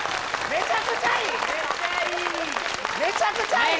めちゃくちゃいい！